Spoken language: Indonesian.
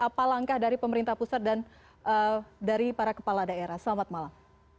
apa langkah dari pemerintah pusat dan dari para kepala daerah selamat malam